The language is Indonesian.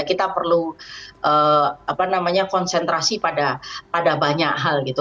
kita perlu konsentrasi pada banyak hal gitu